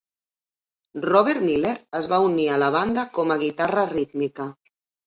Robert Miller es va unir a la banda com a guitarra rítmica.